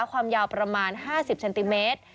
ความยาวประมาณ๕๐เซนติเมตร